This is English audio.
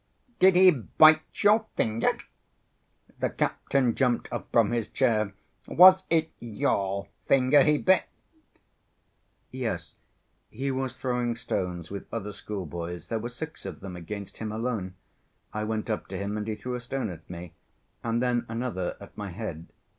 Did he bite your finger?" The captain jumped up from his chair. "Was it your finger he bit?" "Yes. He was throwing stones with other schoolboys. There were six of them against him alone. I went up to him, and he threw a stone at me and then another at my head.